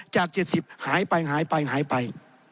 ๗๐หายไปหายไป